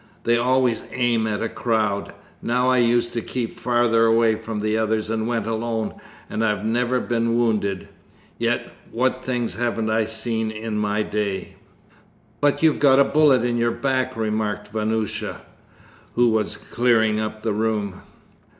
They always aim at a crowd. Now I used to keep farther away from the others and went alone, and I've never been wounded. Yet what things haven't I seen in my day?' 'But you've got a bullet in your back,' remarked Vanyusha, who was clearing up the room.